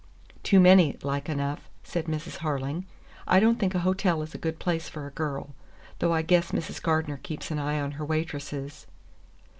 "Too many, like enough," said Mrs. Harling. "I don't think a hotel is a good place for a girl; though I guess Mrs. Gardener keeps an eye on her waitresses."